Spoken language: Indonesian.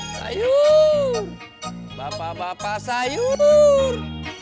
sayur bapak bapak sayur